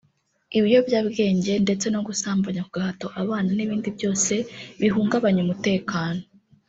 ibiyobyabwenge ndetse no gusambanya ku gahato abana n’ibindi byose bihungabanya umutekano